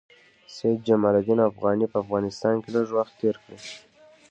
سید جمال الدین افغاني په افغانستان کې لږ وخت تېر کړی.